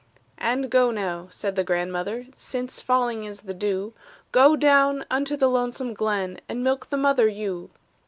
"And go now," said the grandmother, "Since falling is the dew, Go down unto the lonesome glen, And milk the mother ewe!"